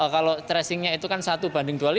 kalau tracingnya itu kan satu banding dua lima